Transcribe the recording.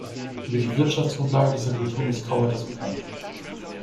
Über die Wirtschaftsgrundlage dieser Kultur ist kaum etwas bekannt.